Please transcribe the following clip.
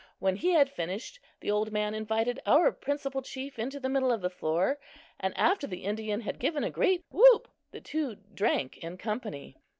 When he had finished, the old man invited our principal chief into the middle of the floor, and after the Indian had given a great whoop, the two drank in company.